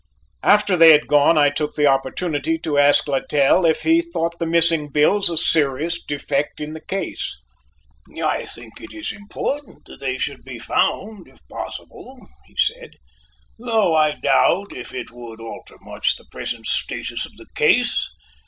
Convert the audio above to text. After they had gone I took the opportunity to ask Littell if he thought the missing bills a serious defect in the case. "I think it is important that they should be found, if possible," he said, "though I doubt if it would alter much the present status of the case.